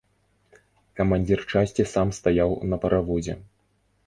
Камандзір часці сам стаяў на паравозе.